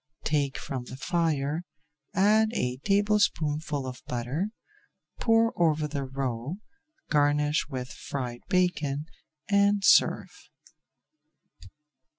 Take from the fire, add a tablespoonful of butter, pour over the roe, garnish with fried bacon, and serve.